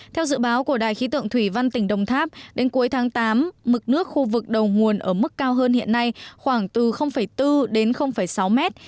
theo dự báo của đài khí tượng thủy văn tỉnh đồng tháp đến cuối tháng tám mực nước khu vực đầu nguồn ở mức cao hơn hiện nay khoảng từ bốn đến sáu mét